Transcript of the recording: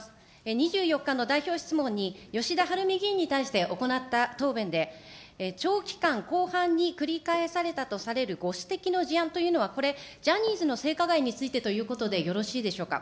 ２４日の代表質問に、吉田はるみ議員に対して行った答弁で、長期間、広範に繰り返されたとされるご指摘の事案というのは、これ、ジャニーズの性加害についてということでよろしいでしょうか。